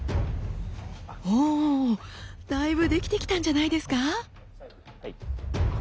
ほおだいぶできてきたんじゃないですか。